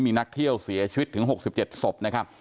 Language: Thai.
มีนักเที่ยวเสียชีวิตถึง๖๗ศพนะครับ